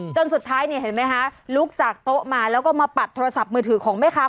จนสุดท้ายเนี่ยเห็นไหมคะลุกจากโต๊ะมาแล้วก็มาปัดโทรศัพท์มือถือของแม่ค้า